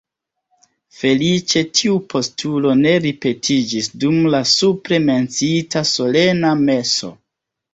Feliĉe tiu postulo ne ripetiĝis dum la supre menciita solena meso.